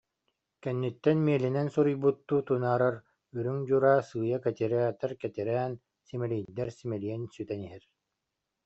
Кэнниттэн миэлинэн суруйбуттуу тунаарар үрүҥ дьураа сыыйа кэтирээтэр-кэтирээн, симэлийдэр-симэлийэн сүтэн иһэр